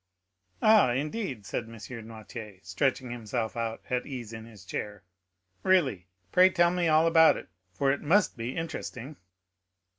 "Ah, indeed!" said M. Noirtier, stretching himself out at his ease in the chair. "Really, pray tell me all about it, for it must be interesting."